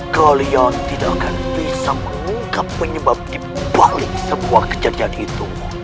kalian tidak akan bisa mengungkap penyebab di balik semua kejadian itu